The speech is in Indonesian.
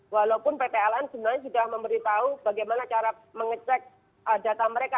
walaupun ptln sebenarnya sudah memberitahu bagaimana cara mengecek data mereka